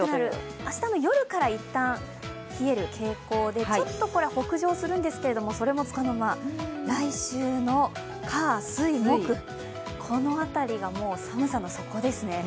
明日の夜から、いったん冷える傾向でちょっと北上するんですけど、それもつかの間来週の火、水、木、この辺りが寒さの底ですね。